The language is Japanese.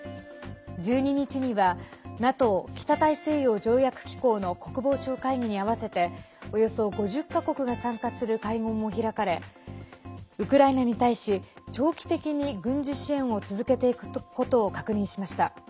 １２日にはＮＡＴＯ＝北大西洋条約機構の国防相会議に合わせておよそ５０か国が参加する会合も開かれウクライナに対し、長期的に軍事支援を続けていくことを確認しました。